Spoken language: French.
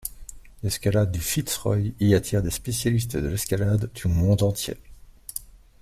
L'escalade du Fitz Roy y attire des spécialistes de l'escalade du monde entier.